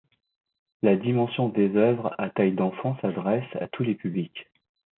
La dimension des œuvres à taille d'enfants s'adresse à tous les publics.